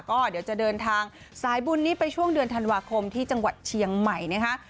ก็เดี๋ยวจะเดินทางสายบุญนี้ไปช่วงเดือนธันวาคมที่จังหวัดเชียงใหม่นะคะ